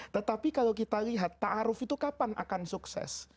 tetapi kalau kita lihat ta'aruf itu kapan akan sukses